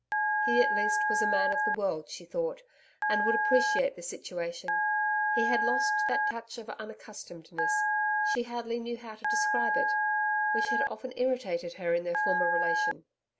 He at least was a man of the world, she thought, and would appreciate the situation. He had lost that touch of unaccustomedness she hardly knew how to describe it which had often irritated her in their former relation.